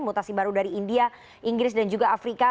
mutasi baru dari india inggris dan juga afrika